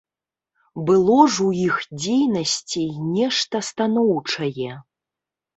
Было ж у іх дзейнасці і нешта станоўчае.